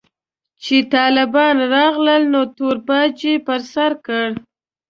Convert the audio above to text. چې طالبان راغلل نو تور پاج يې پر سر کړ.